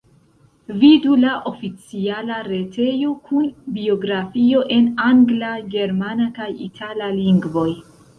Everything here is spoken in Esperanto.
Vidu la oficiala retejo kun biografio en angla, germana kaj itala lingvoj.